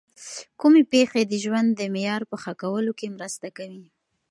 کومې پېښې د ژوند د معیار په ښه کولو کي مرسته کوي؟